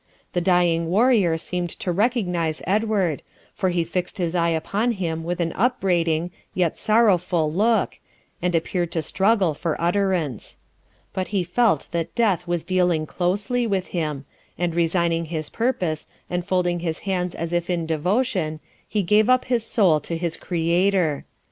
The dying warrior seemed to recognize Edward, for he fixed his eye upon him with an upbraiding, yet sorrowful, look, and appeared to struggle, for utterance. But he felt that death was dealing closely with him, and resigning his purpose, and folding his hands as if in devotion, he gave up his soul to his Creator.